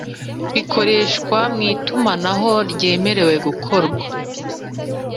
ibikoreshwa mu itumanaho byemewe gukorwa